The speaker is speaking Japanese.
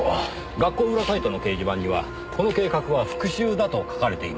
学校裏サイトの掲示板にはこの計画は復讐だと書かれていました。